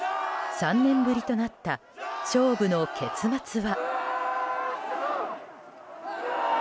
３年ぶりとなった勝負の結末は？